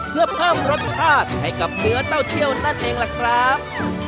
เพื่อเพิ่มรสชาติให้กับเนื้อเต้าเที่ยวนั่นเองล่ะครับ